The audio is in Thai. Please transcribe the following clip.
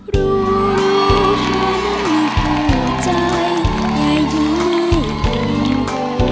รู้รู้เพราะมันมีความอยู่ใจยายที่ไม่ลืมเกลือ